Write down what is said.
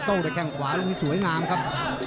โต้ด้วยแข้งขวานมีสวยงามครับ